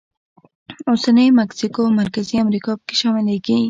اوسنۍ مکسیکو او مرکزي امریکا پکې شاملېږي.